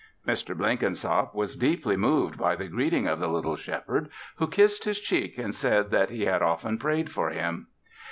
Mr. Blenkinsop was deeply moved by the greeting of the little Shepherd, who kissed his cheek and said that he had often prayed for him.